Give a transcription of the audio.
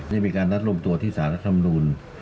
นี่มีการนัดรวมตัวที่สารธรรมนูญ